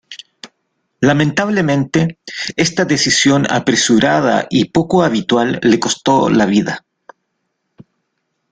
Lamentablemente, esta decisión apresurada y poco habitual le costó la vida.